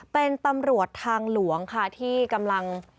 เป็นตำรวจทางหลวงค่ะที่กำลัง